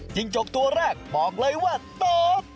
จิ้งจกทั่วแรกบอกเลยว่าโต